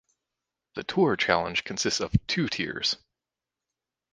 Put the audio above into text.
The Tour Challenge consists of two tiers.